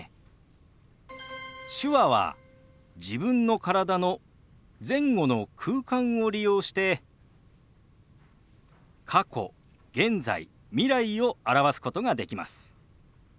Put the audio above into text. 手話は自分の体の前後の空間を利用して過去現在未来を表すことができます。